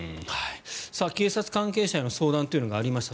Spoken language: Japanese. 警察関係者への相談というのがありました。